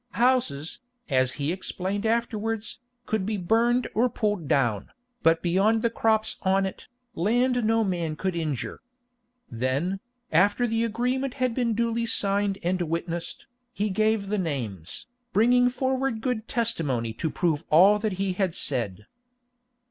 Houses, as he explained afterwards, could be burned or pulled down, but beyond the crops on it, land no man could injure. Then, after the agreement had been duly signed and witnessed, he gave the names, bringing forward good testimony to prove all that he had said.